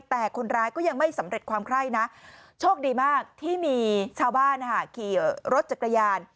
แต่คนร้ายก็ยังไม่สำเร็จความไคร่นะโชคดีมากที่มีชาวบ้านขี่รถจักรยาน